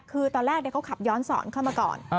คือตอนแรกเนี่ยเขาขับย้อนศรเข้ามาก่อน